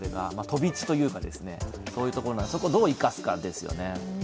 飛び地というか、そういうところなので、そこをどう生かすかですよね。